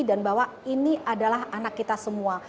dan bahwa ini adalah anak kita semua